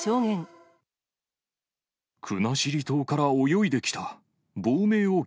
国後島から泳いできた。